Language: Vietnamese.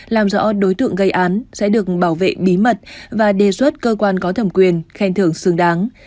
làm rõ đối tượng gây án sẽ được bảo vệ bí mật và đề xuất cơ quan có thẩm quyền khen thưởng xứng đáng